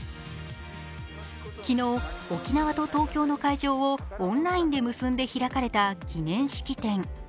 昨日、沖縄と東京の会場をオンラインで結んで開かれた記念式典。